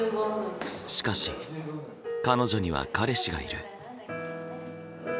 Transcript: しかし彼女には彼氏がいる。